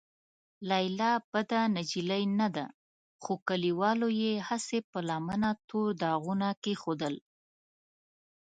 لیلا بده نجلۍ نه ده، خو کليوالو یې هسې په لمنه تور داغونه کېښودل.